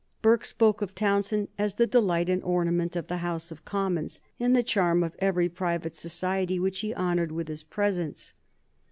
Burke spoke of Townshend as the delight and ornament of the House of Commons, and the charm of every private society which he honored with his presence.